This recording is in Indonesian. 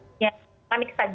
atau memang terjadi penyelesaian